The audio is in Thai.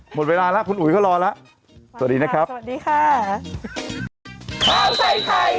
หมดเวลาแล้วเขาเรารอแล้ว